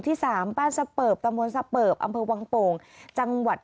ที่สามบ้านซเบิร์บตะมนซเบิร์บอัมพลววังโป่งจังหวัด